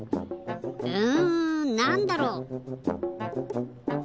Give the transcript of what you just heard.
うんなんだろう？